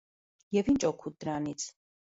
Եվ ի՞նչ օգուտ դրանից: